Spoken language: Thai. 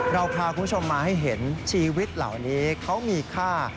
เราพาคุณผู้ชมมาให้เห็นชีวิตเหล่านี้เขามีค่า